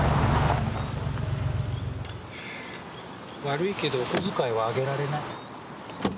悪いけどお小遣いはあげられない。